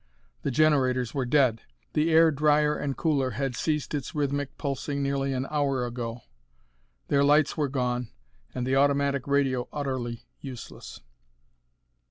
The generators were dead, the air drier and cooler had ceased its rhythmic pulsing nearly an hour ago. Their lights were gone, and the automatic radio utterly useless.